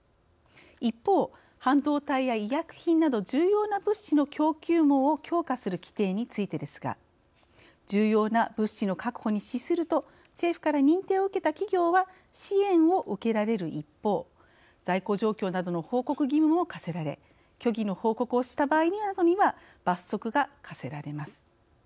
一方、半導体や医薬品など重要な物資の供給網を強化する規定についてですが重要な物資の確保に資すると政府から認定を受けた企業は支援を受けられる一方在庫状況などの報告義務も課せられ虚偽の報告をした場合などには罰則が科せられます。